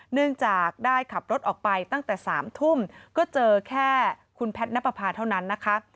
เนื่องจากได้ขับรถออกไปตั้งแต่๓ทุ่มก็เจอแค่คุณแพทย์นับประพาเท่านั้นนะคะ